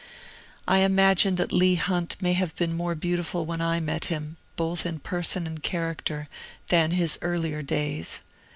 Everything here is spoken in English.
I imagine that Leigh Bunt may have been more beautiful when I met him, both in person and character, than in his earlier days.